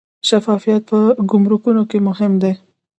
شفافیت په ګمرکونو کې مهم دی